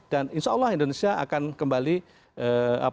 jadi kita harus mengingatkan kepada para pemerintah